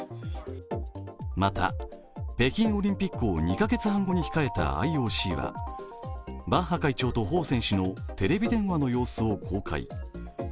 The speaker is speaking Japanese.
また、北京オリンピックを２カ月半後に控えたＩＯＣはバッハ会長と彭選手のテレビ電話の様子を公開。